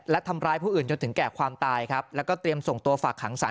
และทำร้ายผู้อื่นจนถึงแก่ความตายครับแล้วก็เตรียมส่งตัวฝากขังสาร